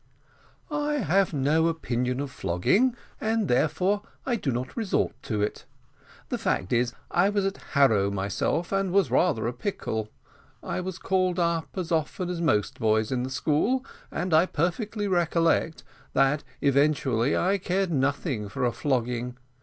"I have no opinion of flogging, and therefore I do not resort to it. The fact is, I was at Harrow myself, and was rather a pickle. I was called up as often as most boys in the school, and I perfectly recollect that eventually I cared nothing for a flogging.